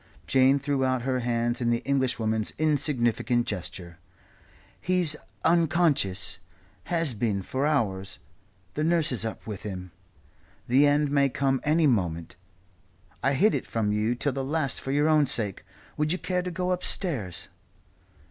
Jane threw out her hands in the Englishwoman's insignificant gesture. "He's unconscious has been for hours the nurse is up with him the end may come any moment. I hid it from you till the last for your own sake. Would you care to go upstairs?"